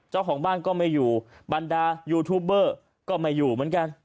เจ้าของบ้านก็ไม่อยู่บรรดายูทูบเบอร์ก็ไม่อยู่เหมือนกัน